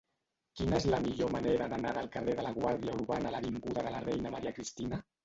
Quina és la millor manera d'anar del carrer de la Guàrdia Urbana a l'avinguda de la Reina Maria Cristina?